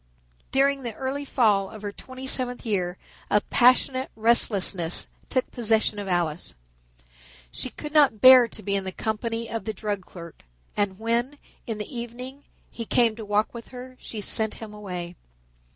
During the early fall of her twenty seventh year a passionate restlessness took possession of Alice. She could not bear to be in the company of the drug clerk, and when, in the evening, he came to walk with her she sent him away.